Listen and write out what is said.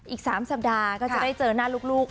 อีก๓สัปดาห์ก็จะได้เจอหน้าลูก